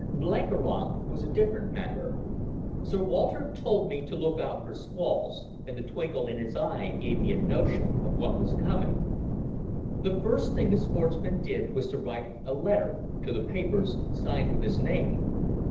Blenkiron was a different matter. Sir Walter told me to look out for squalls, and the twinkle in his eye gave me a notion of what was coming. The first thing the sportsman did was to write a letter to the papers signed with his name.